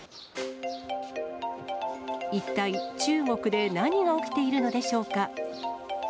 一体、中国で何が起きているのでしょうか。